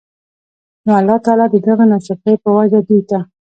نو الله تعالی د دغه ناشکرۍ په وجه دوی ته